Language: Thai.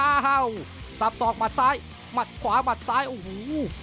อ้าวสับสอกหมัดซ้ายหมัดขวาหมัดซ้ายโอ้โห